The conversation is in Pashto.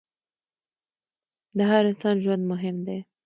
د هر انسان ژوند مهم دی.